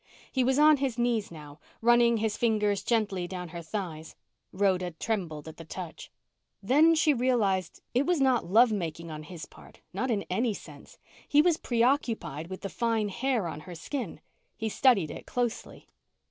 He was on his knees now, running his fingers gently down her thighs. Rhoda trembled at the touch. Then she realized it was not love making on his part not in any sense. He was preoccupied with the fine hair on her skin. He studied it closely.